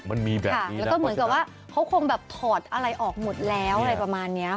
มันมีแบบนี้แล้วก็เหมือนกับว่าเขาคงแบบถอดอะไรออกหมดแล้วอะไรประมาณนี้ค่ะ